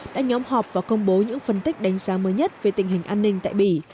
đã nhóm họp và công bố những phân tích đánh giá mới nhất về tình hình an ninh tại bỉ